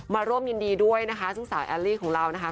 มาร่วมยินดีด้วยนะคะซึ่งสาวแอลลี่ของเรานะคะ